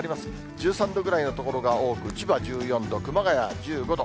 １３度ぐらいの所が多く、千葉１４度、熊谷１５度。